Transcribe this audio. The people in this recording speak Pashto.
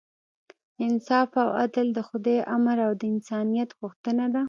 انصاف او عدل د خدای امر او د انسانیت غوښتنه ده.